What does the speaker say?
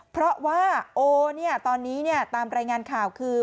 เพราะว่าโอตอนนี้ตามรายงานข่าวคือ